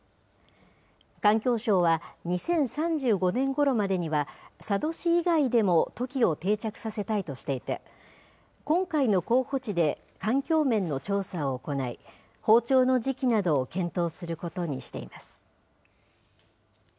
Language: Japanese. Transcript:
環境省は、２０３５年ごろまでには、佐渡市以外でもトキを定着させたいとしていて、今回の候補地で環境面の調査を行い、放鳥の時期などを検討することにしています。